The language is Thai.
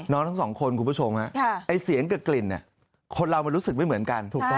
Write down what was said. น้องทั้ง๒คนคุณผู้ชมฮะไอเสียงกับกลิ่นเนี่ยคนเรามันรู้สึกไม่เหมือนกัน